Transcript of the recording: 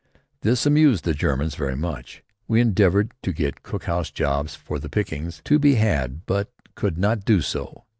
This amused the Germans very much. We endeavoured to get cookhouse jobs for the pickings to be had, but could not do so.